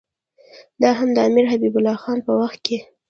دا هم د امیر حبیب الله خان په وخت کې.